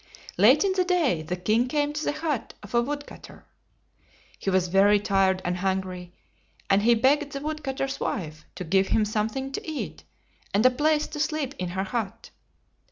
Late in the day the king came to the hut of a wood cut ter. He was very tired and hungry, and he begged the wood cut ter's wife to give him something to eat and a place to sleep in her hut.